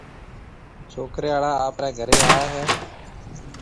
ڇوڪرَي آݪا آپرَي گھرَي آئيَ ھيََََ